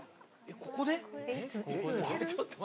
ここで？